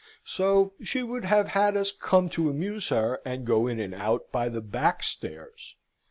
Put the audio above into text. So she would have had us come to amuse her, and go in and out by the back stairs.